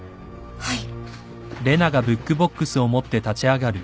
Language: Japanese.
はい。